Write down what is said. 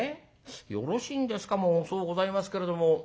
よろしいんですかもう遅うございますけれども。